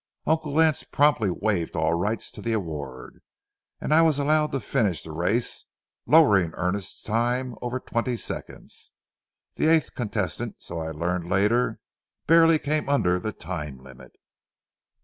Uncle Lance promptly waived all rights to the award, and I was allowed to finish the race, lowering Earnest's time over twenty seconds. The eighth contestant, so I learned later, barely came under the time limit.